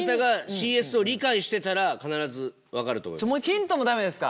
ヒントも駄目ですか？